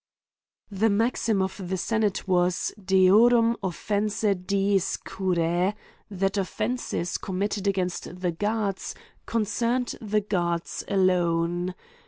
The maxim of the senate M'as, Deorum offensae Diis cur a :— that offences committed against the gods concerned the gods alone.